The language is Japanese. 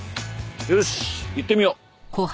よし行ってみよう。